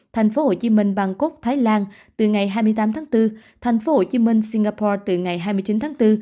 thành phố hồ chí minh bangkok thái lan từ ngày hai mươi tám tháng bốn thành phố hồ chí minh singapore từ ngày hai mươi chín tháng bốn